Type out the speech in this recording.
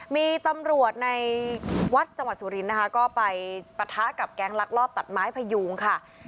มีตำรวจในวัดจังหวัดสุรินทร์นะคะก็ไปปะทะกับแก๊งลักลอบตัดไม้พยูงค่ะ